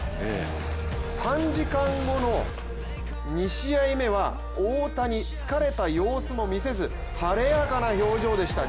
３時間後の２試合目は大谷、疲れた様子も見せず晴れやかな表情でした。